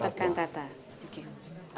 tetap kantata oke